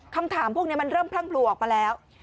คำถามพวกนี้มันเริ่มพรั่งพลูออกมาแล้ว